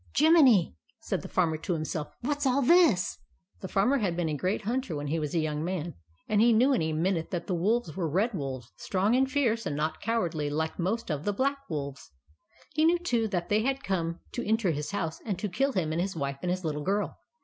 " Jiminy !" said the Farmer to himself. What's all this?" The Farmer had been a great hunter when he was a young man, and he knew in a minute that the wolves were Red Wolves, strong and fierce, and not cowardly like most of the Black Wolves. He knew, too, that they had come to enter his house and to kill him and his wife and his little girl.